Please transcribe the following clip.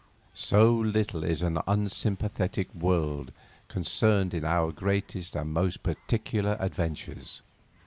So little is an unsympathetic world concerned in our greatest and most particular adventures!